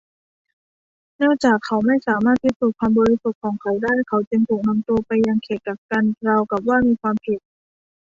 เนื่องจากเขาไม่สามารถพิสูจน์ความบริสุทธิ์ของเขาได้เขาจึงถูกนำตัวไปยังเขตกักกันราวกับว่ามีความผิด